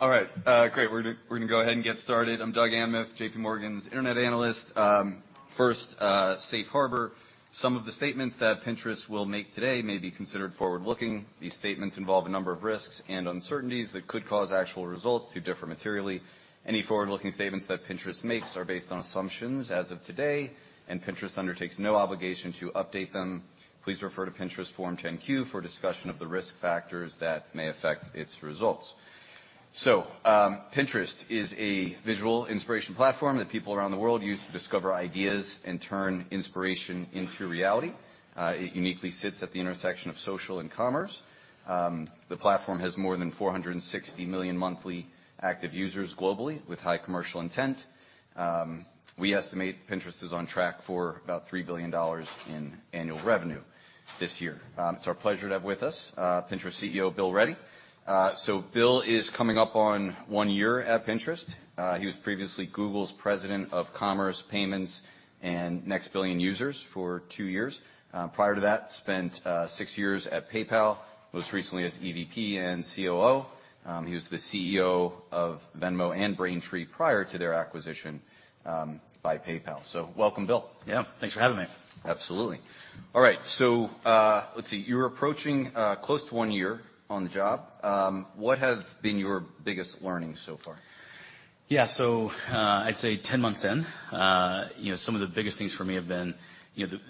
All right, great. We're gonna go ahead and get started. I'm Doug Anmuth, J.P. Morgan's internet analyst. First, safe harbor. Some of the statements that Pinterest will make today may be considered forward-looking. These statements involve a number of risks and uncertainties that could cause actual results to differ materially. Any forward-looking statements that Pinterest makes are based on assumptions as of today, Pinterest undertakes no obligation to update them. Please refer to Pinterest Form 10-K for discussion of the risk factors that may affect its results. Pinterest is a visual inspiration platform that people around the world use to discover ideas and turn inspiration into reality. It uniquely sits at the intersection of social and commerce. The platform has more than 460 million monthly active users globally with high commercial intent. We estimate Pinterest is on track for about $3 billion in annual revenue this year. It's our pleasure to have with us, Pinterest CEO, Bill Ready. Bill is coming up on one year at Pinterest. He was previously Google's President of Commerce, Payments, and Next Billion Users for two years. Prior to that, spent six years at PayPal, most recently as EVP and COO. He was the CEO of Venmo and Braintree prior to their acquisition by PayPal. Welcome, Bill. Yeah, thanks for having me. Absolutely. All right, let's see. You're approaching close to one year on the job. What have been your biggest learnings so far? I'd say 10 months in, you know, some of the biggest things for me have been, you know, the...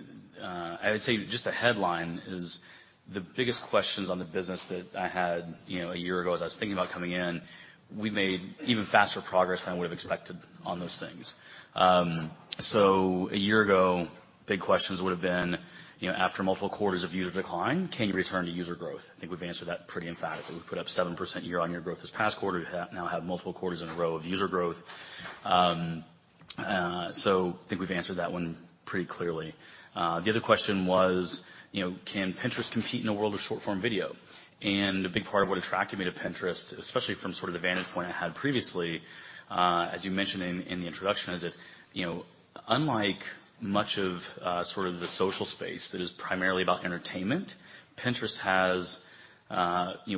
I would say just the headline is the biggest questions on the business that I had, you know, a year ago as I was thinking about coming in, we made even faster progress than I would've expected on those things. A year ago, big questions would've been, you know, after multiple quarters of user decline, can you return to user growth? I think we've answered that pretty emphatically. We've put up 7% year-on-year growth this past quarter. We now have multiple quarters in a row of user growth. I think we've answered that one pretty clearly. The other question was, you know, can Pinterest compete in a world of short-form video? A big part of what attracted me to Pinterest, especially from sort of the vantage point I had previously, as you mentioned in the introduction, is that, you know, unlike much of sort of the social space that is primarily about entertainment, Pinterest has, you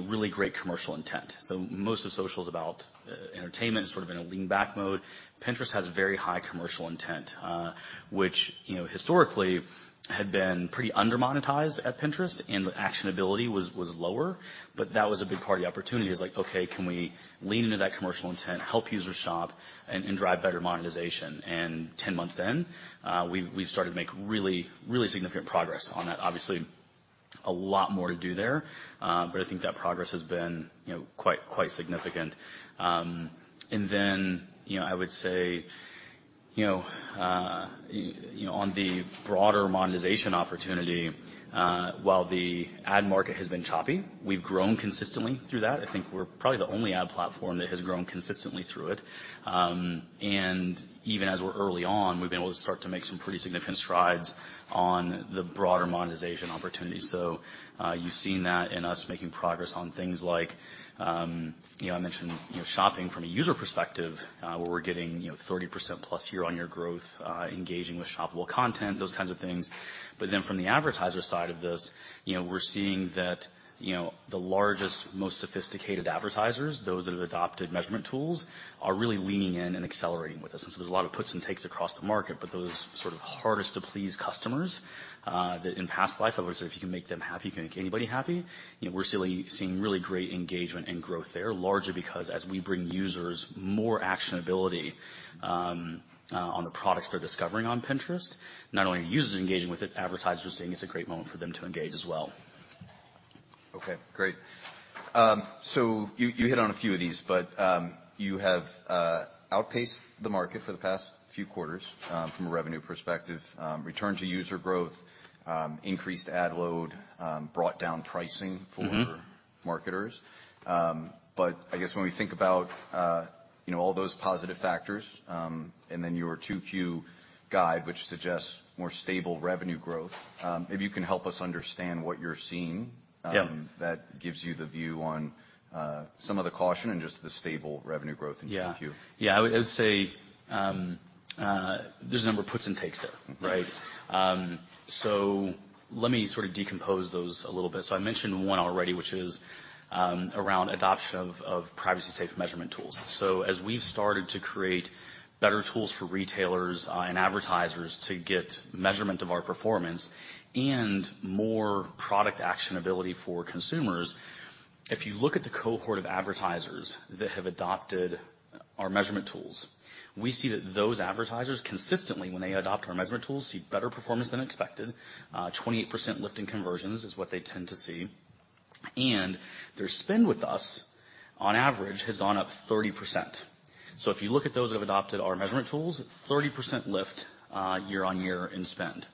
know, really great commercial intent. Most of social is about entertainment, sort of in a lean-back mode. Pinterest has very high commercial intent, which, you know, historically had been pretty under-monetized at Pinterest, and the actionability was lower. That was a big part of the opportunity is like, okay, can we lean into that commercial intent, help users shop and drive better monetization? 10 months in, we've started to make really significant progress on that. Obviously a lot more to do there, but I think that progress has been, you know, quite significant. You know, I would say, you know, on the broader monetization opportunity, while the ad market has been choppy, we've grown consistently through that. I think we're probably the only ad platform that has grown consistently through it. Even as we're early on, we've been able to start to make some pretty significant strides on the broader monetization opportunity. You've seen that in us making progress on things like, you know, I mentioned, you know, shopping from a user perspective, where we're getting, you know, 30%+ year-on-year growth, engaging with shoppable content, those kinds of things. From the advertiser side of this, you know, we're seeing that, you know, the largest, most sophisticated advertisers, those that have adopted measurement tools, are really leaning in and accelerating with us. There's a lot of puts and takes across the market, but those sort of hardest to please customers that in past life I've always said, if you can make them happy, you can make anybody happy. You know, we're seeing really great engagement and growth there, largely because as we bring users more actionability on the products they're discovering on Pinterest, not only are users engaging with it, advertisers are seeing it's a great moment for them to engage as well. Okay, great. You hit on a few of these, but you have outpaced the market for the past few quarters, from a revenue perspective, returned to user growth, increased ad load, brought down pricing. Mm-hmm. For marketers. I guess when we think about, you know, all those positive factors, and then your 2Q guide, which suggests more stable revenue growth, maybe you can help us understand what you're seeing? Yeah. That gives you the view on some of the caution and just the stable revenue growth in 2Q. Yeah. I would say, there's a number of puts and takes there, right? Mm-hmm. Let me sort of decompose those a little bit. I mentioned one already, which is around adoption of privacy-safe measurement tools. As we've started to create better tools for retailers and advertisers to get measurement of our performance and more product actionability for consumers, if you look at the cohort of advertisers that have adopted our measurement tools, we see that those advertisers consistently, when they adopt our measurement tools, see better performance than expected. 28% lift in conversions is what they tend to see. Their spend with us, on average, has gone up 30%. If you look at those that have adopted our measurement tools, 30% lift year-on-year in spend.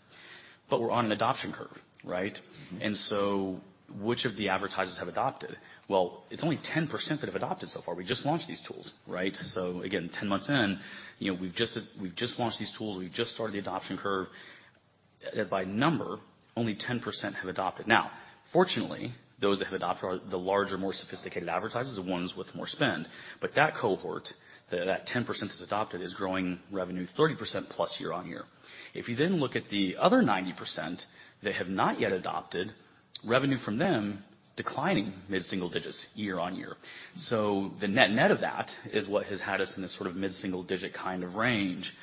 We're on an adoption curve, right? Mm-hmm. Which of the advertisers have adopted? Well, it's only 10% that have adopted so far. We just launched these tools, right? Again, 10 months in, you know, we've just launched these tools. We've just started the adoption curve. By number, only 10% have adopted. Now, fortunately, those that have adopted are the larger, more sophisticated advertisers, the ones with more spend. That cohort, that 10% that's adopted, is growing revenue 30%+ year-on-year. If you look at the other 90% that have not yet adopted. Revenue from them is declining mid-single digits year-on-year. The net-net of that is what has had us in this sort of mid-single digit kind of range,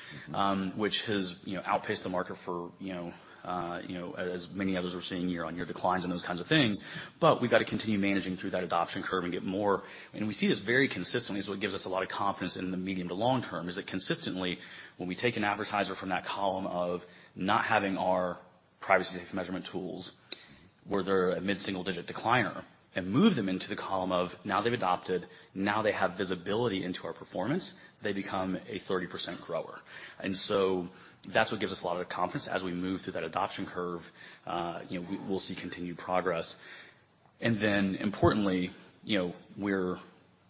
which has, you know, outpaced the market for, you know, you know, as many others are seeing year-over-year declines and those kinds of things. We've got to continue managing through that adoption curve and get more. We see this very consistently, so it gives us a lot of confidence in the medium to long-term, is that consistently, when we take an advertiser from that column of not having our privacy-safe measurement tools, where they're a mid-single digit decliner, and move them into the column of now they've adopted, now they have visibility into our performance, they become a 30% grower. That's what gives us a lot of confidence as we move through that adoption curve, you know, we'll see continued progress. Importantly, you know, we're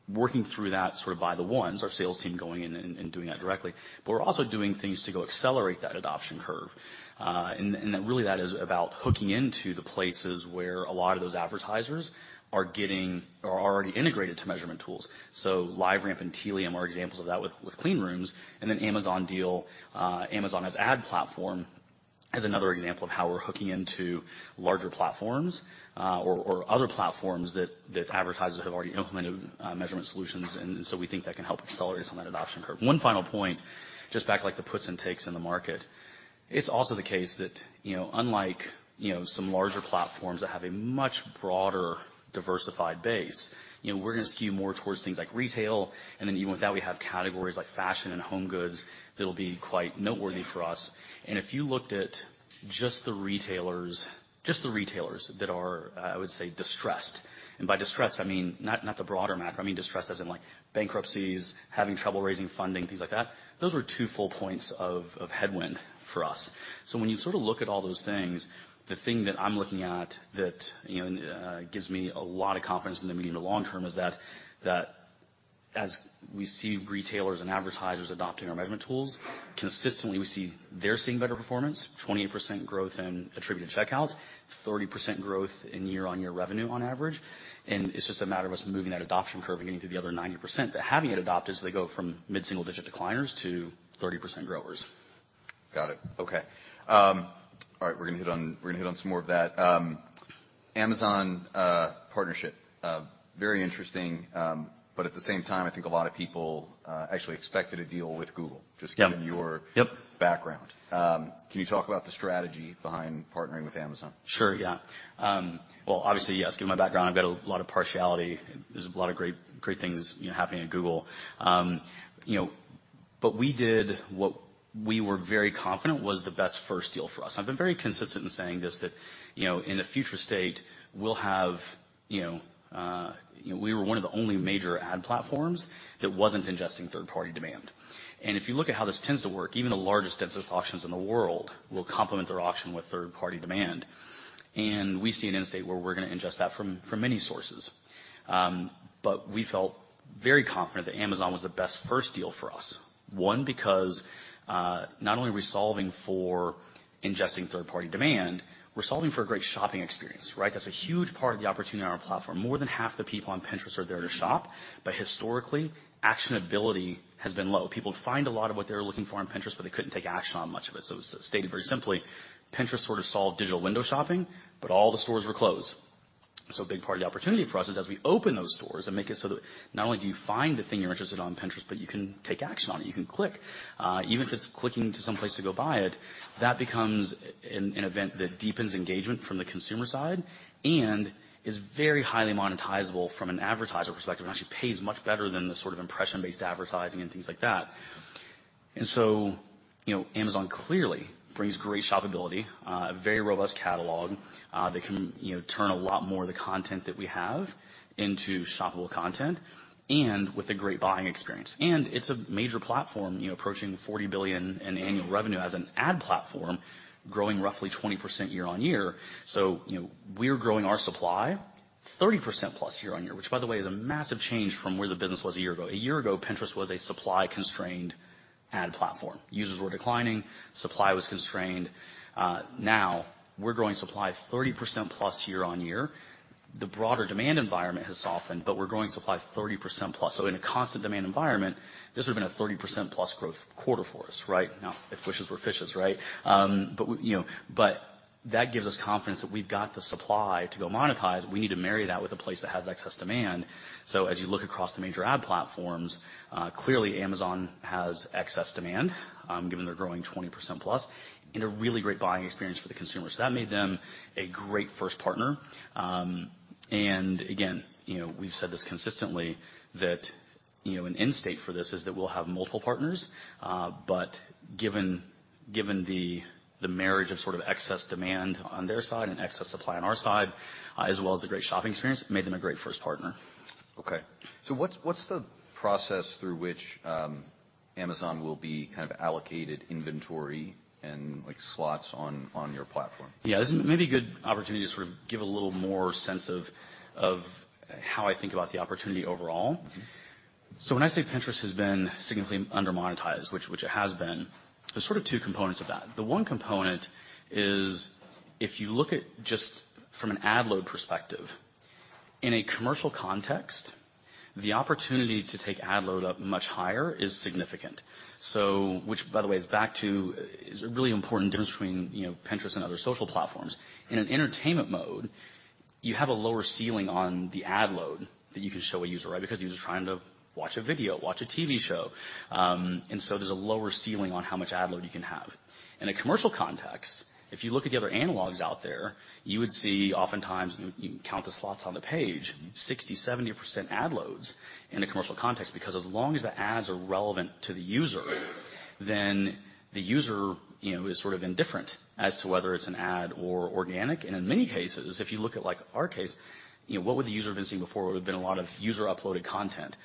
working through that sort of by the ones, our sales team going in and doing that directly. We're also doing things to go accelerate that adoption curve. That really that is about hooking into the places where a lot of those advertisers are getting or already integrated to measurement tools. LiveRamp and Tealium are examples of that with clean rooms, then Amazon deal, Amazon as ad platform as another example of how we're hooking into larger platforms, or other platforms that advertisers have already implemented measurement solutions. We think that can help accelerate some of that adoption curve. One final point, just back like the puts and takes in the market. It's also the case that, you know, unlike, you know, some larger platforms that have a much broader diversified base, you know, we're going to skew more towards things like retail, then even with that, we have categories like fashion and home goods that'll be quite noteworthy for us. If you looked at just the retailers that are, I would say, distressed. By distressed, I mean, not the broader macro, I mean distressed as in like bankruptcies, having trouble raising funding, things like that. Those were two full points of headwind for us. When you sort of look at all those things, the thing that I'm looking at that, you know, gives me a lot of confidence in the medium to long-term is that as we see retailers and advertisers adopting our measurement tools, consistently we see they're seeing better performance, 28% growth in attributed checkouts, 30% growth in year-on-year revenue on average. It's just a matter of us moving that adoption curve and getting to the other 90% that having it adopted so they go from mid-single digit decliners to 30% growers. Got it. Okay. All right, we're gonna hit on some more of that. Amazon partnership, very interesting, but at the same time, I think a lot of people actually expected a deal with Google. Yeah. Just given your. Yep. background. Can you talk about the strategy behind partnering with Amazon? Sure, yeah. Well, obviously, yes, given my background, I've got a lot of partiality. There's a lot of great things, you know, happening at Google. You know, but we did what we were very confident was the best first deal for us. I've been very consistent in saying this, that, you know, in a future state, we'll have, you know, we were one of the only major ad platforms that wasn't ingesting third-party demand. If you look at how this tends to work, even the largest, densest auctions in the world will complement their auction with third-party demand. We see an end state where we're gonna ingest that from many sources. But we felt very confident that Amazon was the best first deal for us. One, because, not only are we solving for ingesting third-party demand, we're solving for a great shopping experience, right? That's a huge part of the opportunity on our platform. More than half the people on Pinterest are there to shop, but historically, actionability has been low. People find a lot of what they're looking for on Pinterest, but they couldn't take action on much of it. Stated very simply, Pinterest sort of solved digital window shopping, but all the stores were closed. A big part of the opportunity for us is as we open those stores and make it so that not only do you find the thing you're interested on Pinterest, but you can take action on it. You can click, even if it's clicking to some place to go buy it, that becomes an event that deepens engagement from the consumer side and is very highly monetizable from an advertiser perspective. It actually pays much better than the sort of impression-based advertising and things like that. You know, Amazon clearly brings great shoppability, a very robust catalog, they can, you know, turn a lot more of the content that we have into shoppable content and with a great buying experience. It's a major platform, you know, approaching $40 billion in annual revenue as an ad platform, growing roughly 20% year-over-year. You know, we're growing our supply 30%+ year-over-year, which by the way, is a massive change from where the business was a year ago. A year ago, Pinterest was a supply-constrained ad platform. Users were declining, supply was constrained. Now we're growing supply 30%+ year-over-year. The broader demand environment has softened, but we're growing supply 30%+. In a constant demand environment, this would've been a 30%+ growth quarter for us. Right? If wishes were fishes, right? You know. That gives us confidence that we've got the supply to go monetize. We need to marry that with a place that has excess demand. As you look across the major ad platforms, clearly Amazon has excess demand, given they're growing 20%+, and a really great buying experience for the consumer. That made them a great first partner. Again, you know, we've said this consistently, that, you know, an end state for this is that we'll have multiple partners, but given the marriage of sort of excess demand on their side and excess supply on our side, as well as the great shopping experience, it made them a great first partner. Okay. what's the process through which Amazon will be kind of allocated inventory and like slots on your platform? This may be a good opportunity to sort of give a little more sense of how I think about the opportunity overall. Mm-hmm. When I say Pinterest has been significantly under-monetized, which it has been, there's sort of two components of that. The one component is if you look at just from an ad load perspective. In a commercial context, the opportunity to take ad load up much higher is significant. Which by the way, is back to is a really important difference between, you know, Pinterest and other social platforms. In an entertainment mode, you have a lower ceiling on the ad load that you can show a user, right? Because the user is trying to watch a video, watch a TV show. There's a lower ceiling on how much ad load you can have. In a commercial context, if you look at the other analogs out there, you would see oftentimes you count the slots on the page, 60%, 70% ad loads in a commercial context. As long as the ads are relevant to the user, then the user, you know, is sort of indifferent as to whether it's an ad or organic. In many cases, if you look at, like our case, you know, what would the user have been seeing before would have been a lot of user-uploaded content.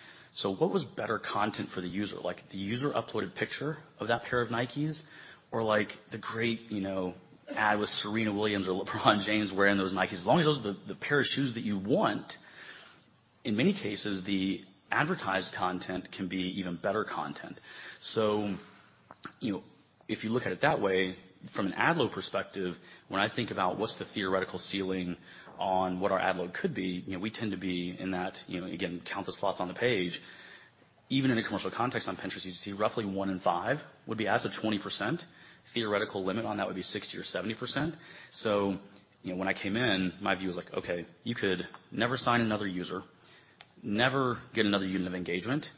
What was better content for the user? Like the user uploaded picture of that pair of Nikes or like the great, you know, ad with Serena Williams or LeBron James wearing those Nikes. As long as those are the pair of shoes that you want, in many cases, the advertised content can be even better content. You know, if you look at it that way, from an ad load perspective, when I think about what's the theoretical ceiling on what our ad load could be, you know, we tend to be in that, you know, again, count the slots on the page. Even in a commercial context on Pinterest, you see roughly one in five would be ads of 20%. Theoretical limit on that would be 60% or 70%. You know, when I came in, my view was like, okay, you could never sign another user, never get another unit of engagement,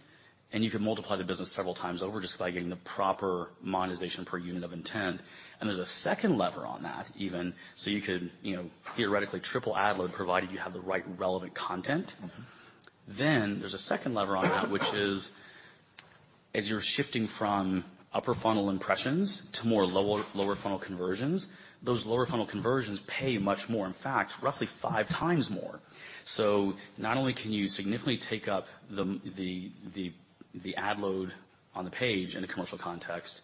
and you could multiply the business several times over just by getting the proper monetization per unit of intent. There's a second lever on that even so you could, you know, theoretically triple ad load, provided you have the right relevant content. Mm-hmm. There's a second lever on that, which is as you're shifting from upper funnel impressions to more lower funnel conversions, those lower funnel conversions pay much more. In fact, roughly five times more. Not only can you significantly take up the ad load on the page in a commercial context,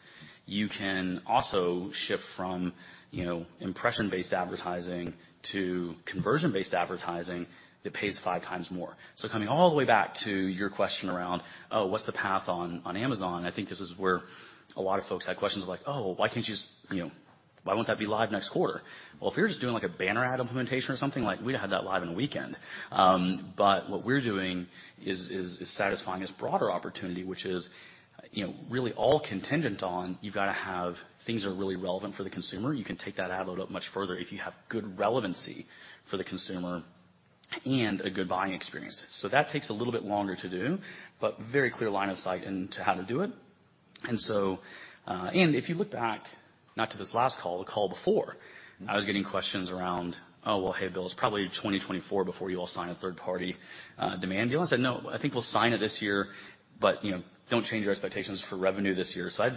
you can also shift from, you know, impression-based advertising to conversion-based advertising that pays five times more. Coming all the way back to your question around, oh, what's the path on Amazon, I think this is where a lot of folks had questions like, "Oh, why can't you just, you know, why won't that be live next quarter?" Well, if we were just doing like a banner ad implementation or something, like we'd have had that live in a weekend. What we're doing is satisfying this broader opportunity, which is, you know, really all contingent on you've got to have things that are really relevant for the consumer. You can take that ad load up much further if you have good relevancy for the consumer and a good buying experience. That takes a little bit longer to do, but very clear line of sight into how to do it. If you look back, not to this last call, the call before. Mm-hmm. I was getting questions around, "Oh, well, hey, Bill, it's probably 2024 before you all sign a third-party demand deal." I said, "No, I think we'll sign it this year, but, you know, don't change your expectations for revenue this year." I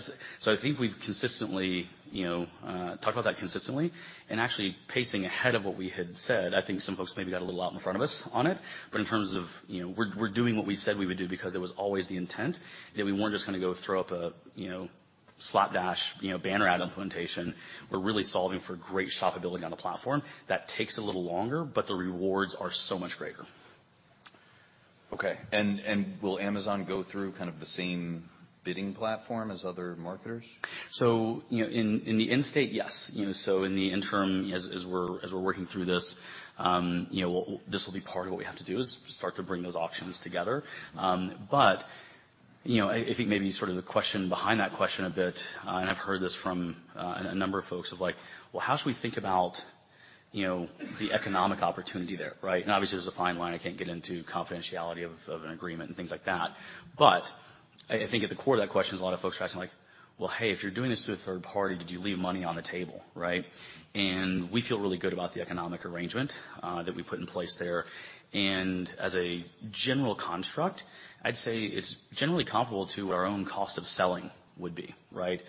think we've consistently, you know, talked about that consistently and actually pacing ahead of what we had said. I think some folks maybe got a little out in front of us on it, but in terms of, you know, we're doing what we said we would do because it was always the intent. You know, we weren't just gonna go throw up a, you know, slapdash, you know, banner ad implementation. We're really solving for great shoppability on the platform. That takes a little longer, but the rewards are so much greater. Okay. Will Amazon go through kind of the same bidding platform as other marketers? You know, in the in-state, yes. You know, in the interim, as we're, as we're working through this, you know, this will be part of what we have to do, is start to bring those auctions together. You know, I think maybe sort of the question behind that question a bit, and I've heard this from, a number of folks of like, "Well, how should we think about, you know, the economic opportunity there?" Right? Obviously, there's a fine line. I can't get into confidentiality of an agreement and things like that. I think at the core of that question is a lot of folks are asking like, "Well, hey, if you're doing this to a third party, did you leave money on the table?" Right? We feel really good about the economic arrangement that we put in place there. As a general construct, I'd say it's generally comparable to our own cost of selling would be, right?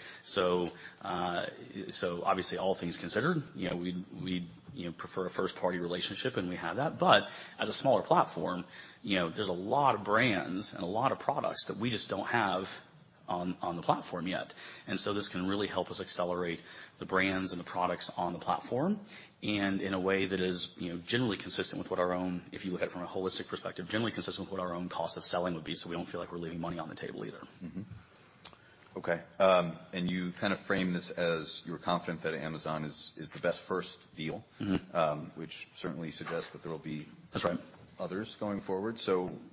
Obviously all things considered, you know, we'd, you know, prefer a first-party relationship, and we have that. As a smaller platform, you know, there's a lot of brands and a lot of products that we just don't have on the platform yet. This can really help us accelerate the brands and the products on the platform and in a way that is, you know, generally consistent with what our own, if you look at it from a holistic perspective, generally consistent with what our own cost of selling would be, so we don't feel like we're leaving money on the table either. Okay. You kind of framed this as you're confident that Amazon is the best first deal. Mm-hmm. which certainly suggests that there will be That's right. -others going forward.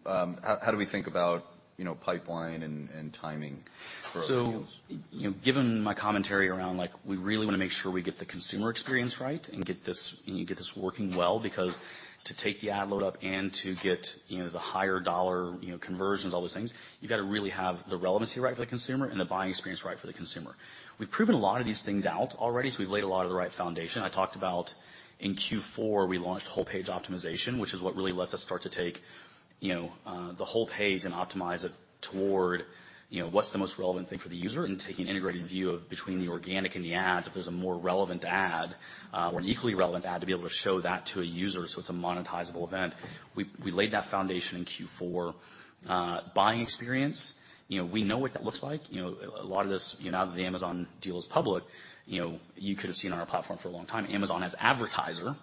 How do we think about, you know, pipeline and timing for those deals? You know, given my commentary around, like we really want to make sure we get the consumer experience right and get this, you know, get this working well, because to take the ad load up and to get, you know, the higher dollar, you know, conversions, all those things, you've got to really have the relevancy right for the consumer and the buying experience right for the consumer. We've proven a lot of these things out already, so we've laid a lot of the right foundation. I talked about in Q4, we launched whole page optimization, which is what really lets us start to take, you know, the whole page and optimize it toward, you know, what's the most relevant thing for the user, and taking an integrated view of between the organic and the ads, if there's a more relevant ad, or an equally relevant ad to be able to show that to a user so it's a monetizable event. We laid that foundation in Q4. Buying experience, you know, we know what that looks like. You know, a lot of this, you know, now that the Amazon deal is public, you know, you could have seen on our platform for a long time Amazon as advertiser.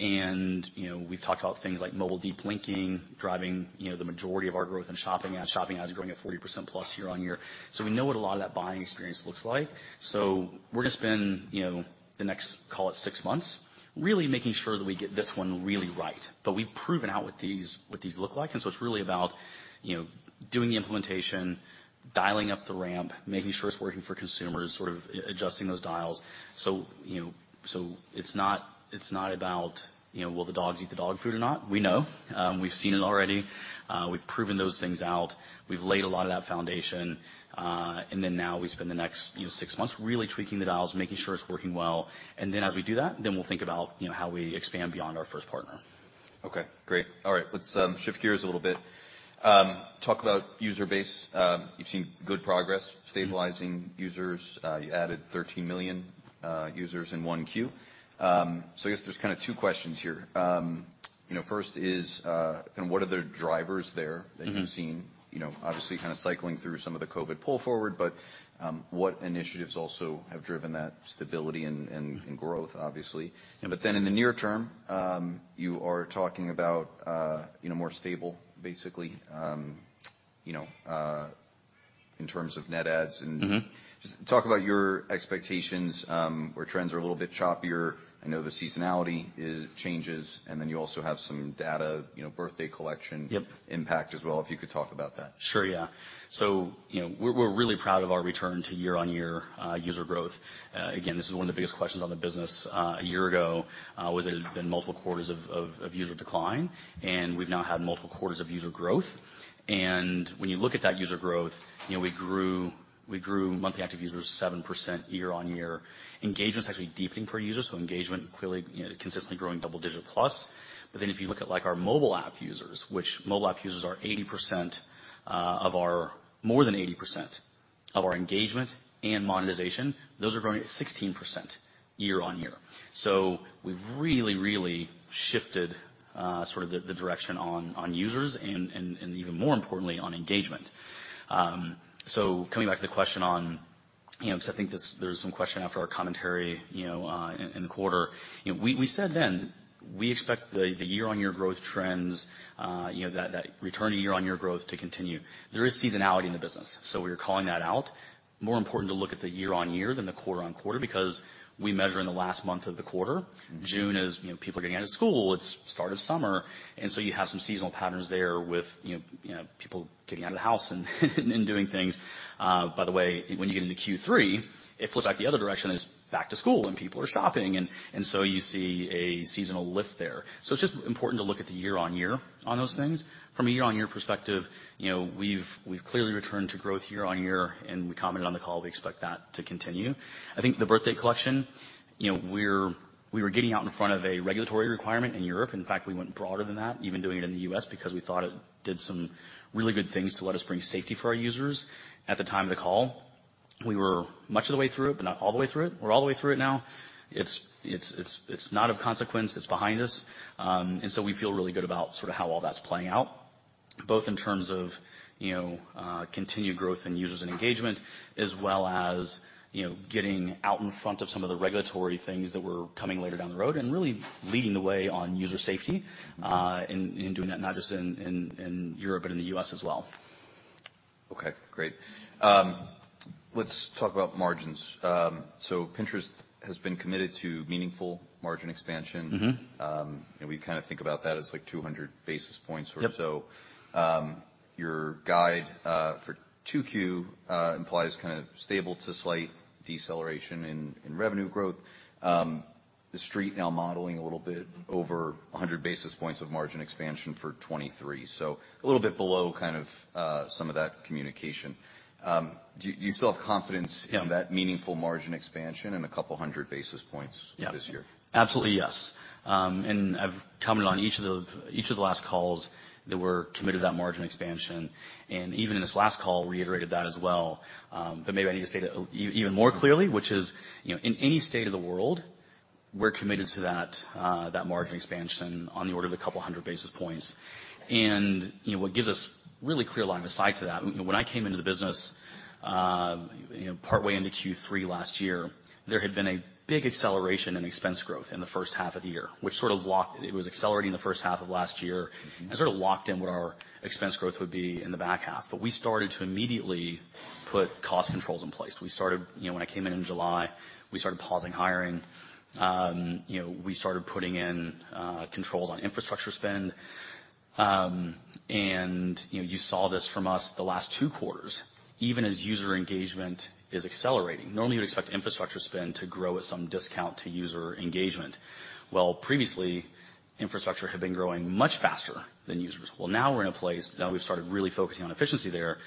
We've talked about things like mobile deep linking, driving, you know, the majority of our growth in shopping ads. Shopping ads are growing at 40% plus year-on-year. We know what a lot of that buying experience looks like. We're gonna spend, you know, the next, call it six months, really making sure that we get this one really right. We've proven out what these look like. It's really about, you know, doing the implementation, dialing up the ramp, making sure it's working for consumers, sort of adjusting those dials. You know, it's not about, you know, will the dogs eat the dog food or not? We know. We've seen it already. We've proven those things out. We've laid a lot of that foundation, now we spend the next, you know, six months really tweaking the dials, making sure it's working well. As we do that, then we'll think about, you know, how we expand beyond our first partner. Okay. Great. All right. Let's shift gears a little bit. Talk about user base. You've seen good progress stabilizing users. You added 13 million users in one Q. I guess there's kind of two questions here. You know, first is, kind of what are the drivers there? Mm-hmm. That you've seen? You know, obviously, kind of cycling through some of the COVID pull forward. What initiatives also have driven that stability and growth, obviously? Yeah. In the near-term, you are talking about, you know, more stable basically, you know, in terms of net adds. Mm-hmm. Just talk about your expectations, where trends are a little bit choppier. I know the seasonality changes, and then you also have some data, you know, birthday collection- Yep. Impact as well. If you could talk about that. Sure, yeah. You know, we're really proud of our return to year-on-year user growth. Again, this is one of the biggest questions on the business. A year ago, there had been multiple quarters of user decline, and we've now had multiple quarters of user growth. When you look at that user growth, you know, we grew monthly active users 7% year on year. Engagement's actually deepening per user, so engagement clearly, you know, consistently growing double-digit plus. If you look at, like, our mobile app users, which mobile app users are More than 80% of our engagement and monetization, those are growing at 16% year on year. We've really shifted, sort of the direction on users and even more importantly on engagement. Coming back to the question on, you know, so I think this, there's some question after our commentary, you know, in the quarter. You know, we said then we expect the year-on-year growth trends, you know, that return to year-on-year growth to continue. There is seasonality in the business. We are calling that out. More important to look at the year-on-year than the quarter-on-quarter because we measure in the last month of the quarter. Mm-hmm. June is, you know, people are getting out of school. It's start of summer and so you have some seasonal patterns there with, you know, people getting out of the house and doing things. By the way, when you get into Q3, it flips out the other direction and it's back to school, and people are shopping and so you see a seasonal lift there. It's just important to look at the year-on-year on those things. From a year-on-year perspective, you know, we've clearly returned to growth year-on-year and we commented on the call, we expect that to continue. I think the birthday collection, you know, we were getting out in front of a regulatory requirement in Europe. In fact, we went broader than that, even doing it in the U.S. because we thought it did some really good things to let us bring safety for our users. At the time of the call, we were much of the way through it, but not all the way through it. We're all the way through it now. It's not of consequence. It's behind us. We feel really good about sort of how all that's playing out, both in terms of, you know, continued growth in users and engagement, as well as, you know, getting out in front of some of the regulatory things that were coming later down the road and really leading the way on user safety, in doing that, not just in Europe but in the U.S. as well. Okay, great. Let's talk about margins. Pinterest has been committed to meaningful margin expansion. Mm-hmm. We kind of think about that as like 200 basis points or so. Yep. Your guide for 2Q implies kind of stable to slight deceleration in revenue growth. The street now modeling a little bit over 100 basis points of margin expansion for 23. A little bit below kind of, some of that communication. Do you still have confidence? Yeah. In that meaningful margin expansion and 200 basis points. Yeah. This year? Absolutely, yes. I've commented on each of the last calls that we're committed to that margin expansion, and even in this last call reiterated that as well. Maybe I need to state it even more clearly, which is, you know, in any state of the world, we're committed to that margin expansion on the order of a couple hundred basis points. You know, what gives us really clear line of sight to that, you know, when I came into the business, you know, partway into Q3 last year, there had been a big acceleration in expense growth in the first half of the year, which sort of locked. It was accelerating the first half of last year. Mm-hmm. Sort of locked in what our expense growth would be in the back half. We started to immediately put cost controls in place. We started, you know, when I came in in July, we started pausing hiring. You know, we started putting in controls on infrastructure spend. You know, you saw this from us the last two quarters. Even as user engagement is accelerating, normally, you'd expect infrastructure spend to grow at some discount to user engagement. Previously, infrastructure had been growing much faster than users. Now we're in a place, now that we've started really focusing on efficiency there,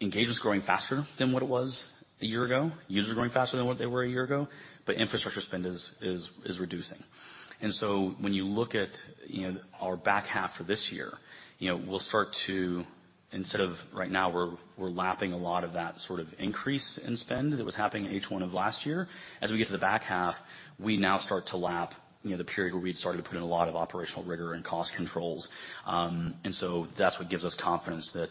engagement's growing faster than what it was a year ago. Users are growing faster than what they were a year ago, but infrastructure spend is reducing. When you look at, you know, our back half for this year, you know, we'll start to instead of right now we're lapping a lot of that sort of increase in spend that was happening in H1 of last year. As we get to the back half, we now start to lap, you know, the period where we had started to put in a lot of operational rigor and cost controls. That's what gives us confidence that,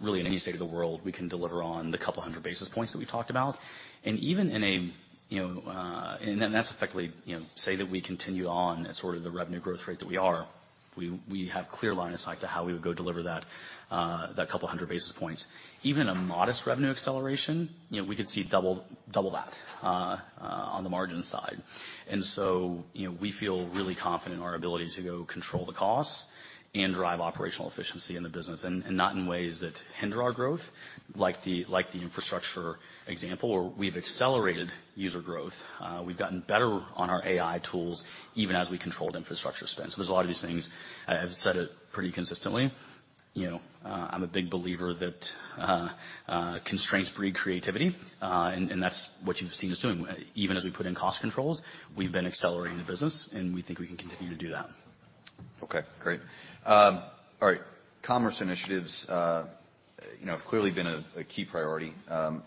really in any state of the world, we can deliver on the couple hundred basis points that we talked about. You know, that's effectively, you know, say that we continue on at sort of the revenue growth rate that we are, we have clear line of sight to how we would go deliver that couple hundred basis points. Even a modest revenue acceleration, you know, we could see double that on the margin side. You know, we feel really confident in our ability to go control the costs and drive operational efficiency in the business, and not in ways that hinder our growth, like the infrastructure example where we've accelerated user growth, we've gotten better on our AI tools even as we controlled infrastructure spend. There's a lot of these things. I've said it pretty consistently. You know, I'm a big believer that constraints breed creativity, and that's what you've seen us doing. Even as we put in cost controls, we've been accelerating the business, and we think we can continue to do that. Great. All right. Commerce initiatives, you know, have clearly been a key priority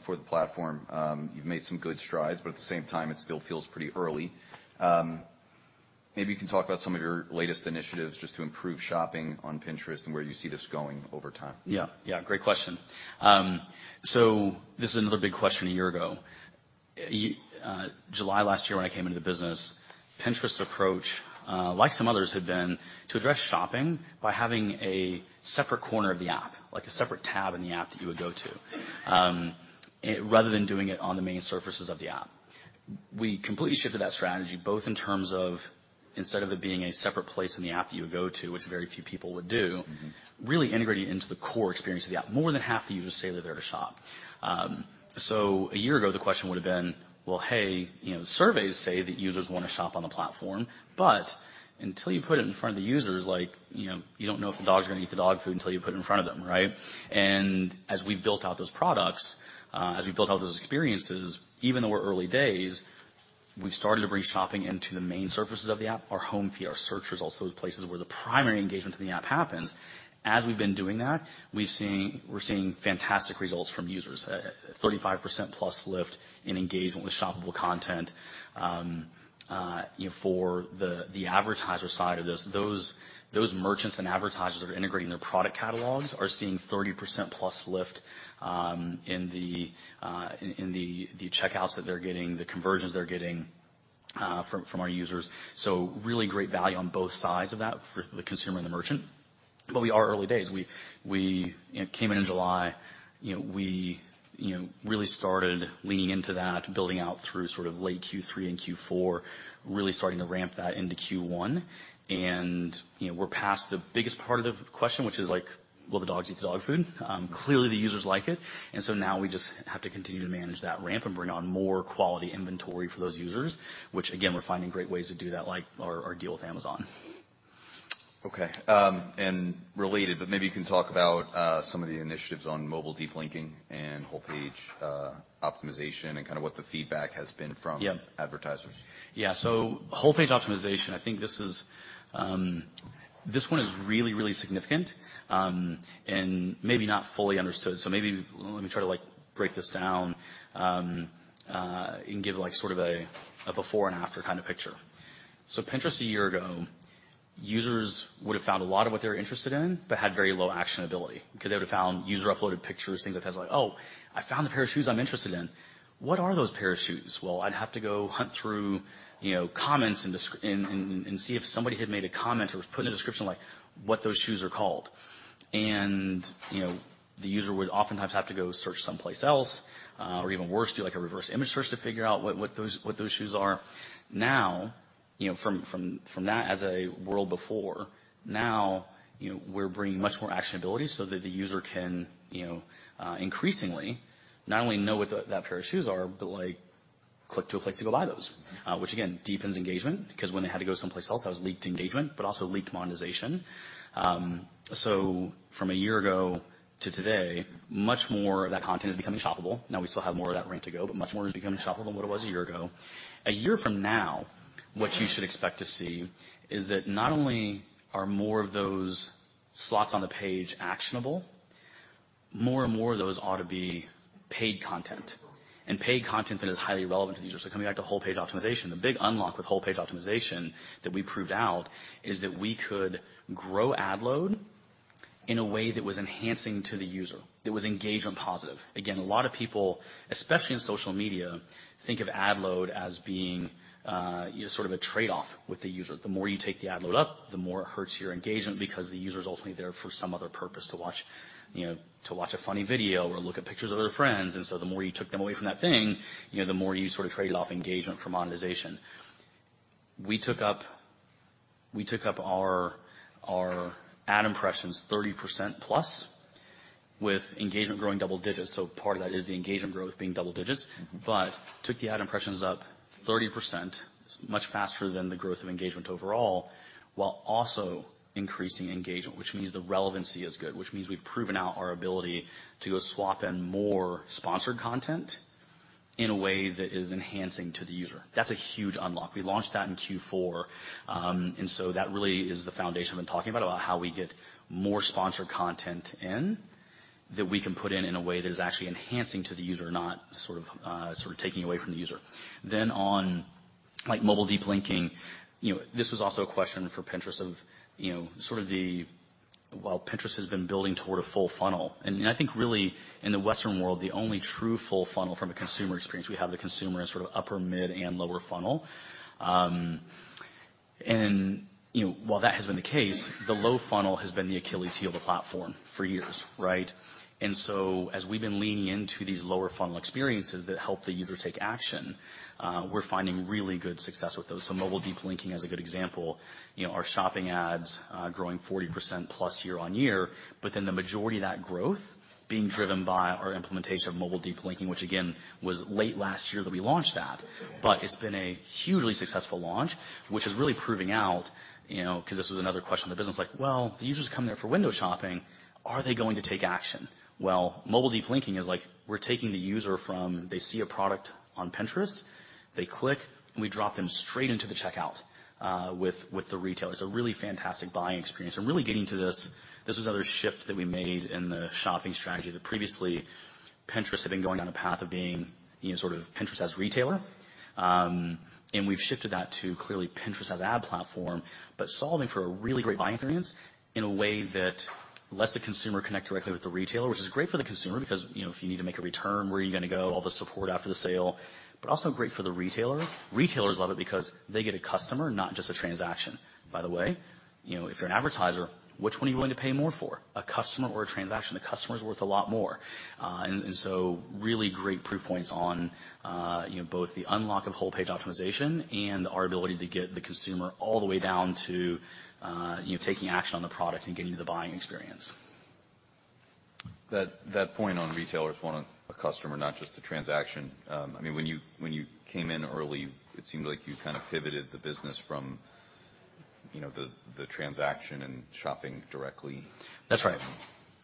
for the platform. You've made some good strides, but at the same time it still feels pretty early. Maybe you can talk about some of your latest initiatives just to improve shopping on Pinterest and where you see this going over time. Yeah. Yeah, great question. This is another big question a year ago. July last year when I came into the business, Pinterest's approach, like some others had been to address shopping by having a separate corner of the app, like a separate tab in the app that you would go to, rather than doing it on the main surfaces of the app. We completely shifted that strategy, both in terms of instead of it being a separate place in the app that you would go to, which very few people would do. Mm-hmm. really integrating into the core experience of the app. More than half the users say they're there to shop. A year ago, the question would've been, well, hey, you know, surveys say that users wanna shop on the platform, but until you put it in front of the users, like, you know, you don't know if the dog's gonna eat the dog food until you put it in front of them, right? As we've built out those products, as we've built out those experiences, even though we're early days, we've started to bring shopping into the main surfaces of the app. Our home feed search results, those places where the primary engagement to the app happens. As we've been doing that, we're seeing fantastic results from users. 35% plus lift in engagement with shoppable content. You know, for the advertiser side of this, those merchants and advertisers that are integrating their product catalogs are seeing 30% plus lift, in the, in the checkouts that they're getting, the conversions they're getting, from our users. Really great value on both sides of that for the consumer and the merchant. We are early days. We, we, you know, came in in July, you know, we, you know, really started leaning into that, building out through sort of late Q3 and Q4, really starting to ramp that into Q1. You know, we're past the biggest part of the question, which is like, will the dogs eat the dog food? Clearly, the users like it. Now we just have to continue to manage that ramp and bring on more quality inventory for those users, which again, we're finding great ways to do that, like our deal with Amazon. Okay. Related, but maybe you can talk about some of the initiatives on mobile deep linking and whole page optimization and kind of what the feedback has been? Yeah. -advertisers. Yeah. Whole page optimization, I think this is, this one is really, really significant, and maybe not fully understood. Maybe let me try to like break this down, and give like sort of a before and after kind of picture. Pinterest a year ago, users would've found a lot of what they were interested in but had very low actionability, because they would've found user uploaded pictures, things like that. It's like, "Oh, I found the pair of shoes I'm interested in. What are those pair of shoes? Well, I'd have to go hunt through, you know, comments and see if somebody had made a comment or put in a description, like what those shoes are called. You know, the user would oftentimes have to go search someplace else, or even worse, do like a reverse image search to figure out what those shoes are. You know, from that as a world before, you know, we're bringing much more actionability so that the user can, you know, increasingly not only know what that pair of shoes are, but like click to a place to go buy those. Which again, deepens engagement, 'cause when they had to go someplace else, that was leaked engagement, but also leaked monetization. From a year ago to today, much more of that content is becoming shoppable. We still have more of that ramp to go, but much more is becoming shoppable than what it was a year ago. A year from now, what you should expect to see is that not only are more of those slots on the page actionable, more and more of those ought to be paid content and paid content that is highly relevant to users. Coming back to whole page optimization, the big unlock with whole page optimization that we proved out is that we could grow ad load in a way that was enhancing to the user, that was engagement positive. Again, a lot of people, especially in social media, think of ad load as being sort of a trade-off with the user. The more you take the ad load up, the more it hurts your engagement because the user's ultimately there for some other purpose to watch, you know, to watch a funny video or look at pictures of their friends. The more you took them away from that thing, you know, the more you sort of traded off engagement for monetization. We took up our ad impressions 30%+ with engagement growing double digits. Part of that is the engagement growth being double digits. Mm-hmm. Took the ad impressions up 30%, much faster than the growth of engagement overall, while also increasing engagement, which means the relevancy is good, which means we've proven out our ability to go swap in more sponsored content in a way that is enhancing to the user. That's a huge unlock. We launched that in Q4. That really is the foundation I've been talking about how we get more sponsored content in, that we can put in in a way that is actually enhancing to the user, not sort of taking away from the user. Like mobile deep linking, you know, this was also a question for Pinterest of, you know. While Pinterest has been building toward a full-funnel, and I think really in the Western world, the only true full-funnel from a consumer experience, we have the consumer in sort of upper mid and lower funnel. You know, while that has been the case, the low funnel has been the Achilles heel of the platform for years, right? As we've been leaning into these lower funnel experiences that help the user take action, we're finding really good success with those. Mobile deep linking is a good example. You know, our Shopping ads, growing 40%+ year-over-year, the majority of that growth being driven by our implementation of mobile deep linking, which again, was late last year that we launched that. It's been a hugely successful launch, which is really proving out, you know, 'cause this was another question in the business, like, "Well, the users come there for window shopping. Are they going to take action?" Well, mobile deep linking is like we're taking the user from, they see a product on Pinterest, they click, and we drop them straight into the checkout, with the retailer. It's a really fantastic buying experience. Really getting to this was other shift that we made in the shopping strategy that previously Pinterest had been going down the path of being, you know, sort of Pinterest as a retailer. We've shifted that to clearly Pinterest as ad platform, but solving for a really great buying experience in a way that lets the consumer connect directly with the retailer, which is great for the consumer because, you know, if you need to make a return, where are you gonna go, all the support after the sale, but also great for the retailer. Retailers love it because they get a customer, not just a transaction. By the way, you know, if you're an advertiser, which one are you going to pay more for, a customer or a transaction? The customer's worth a lot more. Really great proof points on, you know, both the unlock of whole page optimization and our ability to get the consumer all the way down to, you know, taking action on the product and getting you the buying experience. That point on retailers wanting a customer, not just the transaction. I mean, when you, when you came in early, it seemed like you kind of pivoted the business from, you know, the transaction and shopping directly. That's right.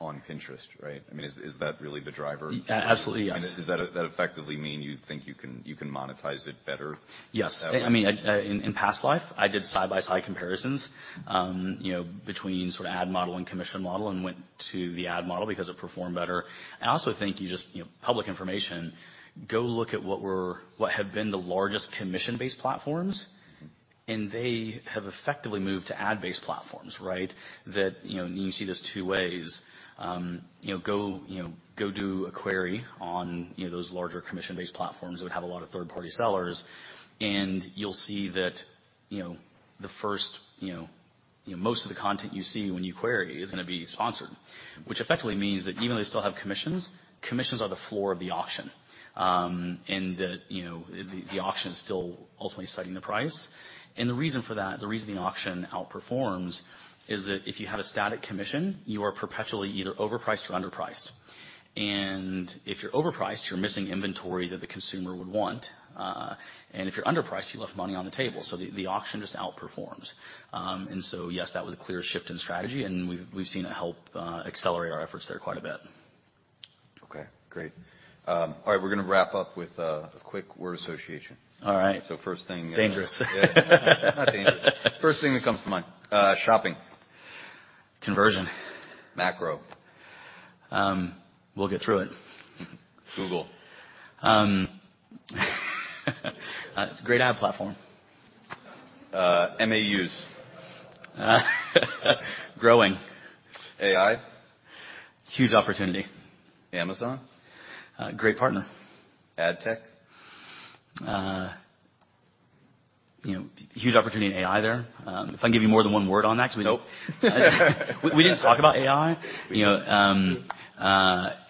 On Pinterest, right? I mean, is that really the driver? Absolutely, yes. Does that effectively mean you think you can monetize it better? Yes. I mean, in past life, I did side-by-side comparisons, you know, between sort of ad model and commission model and went to the ad model because it performed better. I also think you just, you know, public information, go look at what have been the largest commission-based platforms, and they have effectively moved to ad-based platforms, right? That, you know, and you see this two ways. You know, go do a query on those larger commission-based platforms that have a lot of third-party sellers, and you'll see that, the first, most of the content you see when you query is gonna be sponsored. Which effectively means that even they still have commissions are the floor of the auction. The, you know, the auction is still ultimately setting the price. The reason for that, the reason the auction outperforms is that if you have a static commission, you are perpetually either overpriced or underpriced. If you're overpriced, you're missing inventory that the consumer would want. If you're underpriced, you left money on the table, so the auction just outperforms. Yes, that was a clear shift in strategy, and we've seen it help accelerate our efforts there quite a bit. Okay, great. All right, we're gonna wrap up with a quick word association. All right. So first thing- Dangerous. Not dangerous. First thing that comes to mind. shopping. Conversion. Macro. We'll get through it. Google. It's a great ad platform. MAUs. Growing. AI. Huge opportunity. Amazon. Great partner. Ad tech. you know, huge opportunity in AI there. If I can give you more than one word on that. Nope. We didn't talk about AI, you know.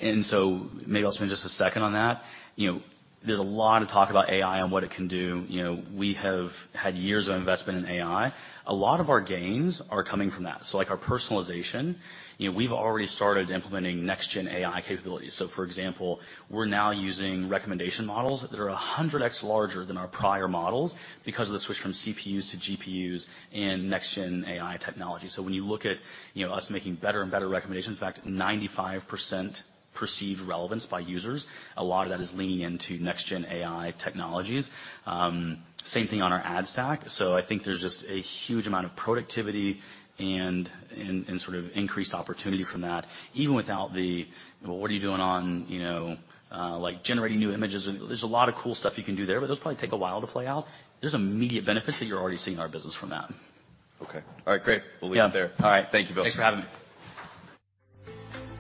Maybe I'll spend just a second on that. You know, there's a lot of talk about AI and what it can do. You know, we have had years of investment in AI. A lot of our gains are coming from that. Like our personalization, you know, we've already started implementing next gen AI capabilities. For example, we're now using recommendation models that are 100x larger than our prior models because of the switch from CPUs to GPUs and next gen AI technology. When you look at, you know, us making better and better recommendations, in fact, 95% perceived relevance by users, a lot of that is leaning into next gen AI technologies. Same thing on our ad stack. I think there's just a huge amount of productivity and sort of increased opportunity from that, even without the, what are you doing on, you know, like generating new images. There's a lot of cool stuff you can do there, but those probably take a while to play out. There's immediate benefits that you're already seeing in our business from that. Okay. All right, great. We'll leave it there. All right. Thank you, Bill. Thanks for having me.